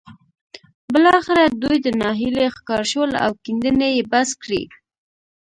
بالاخره دوی د ناهيلۍ ښکار شول او کيندنې يې بس کړې.